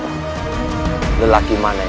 kamu mereka pula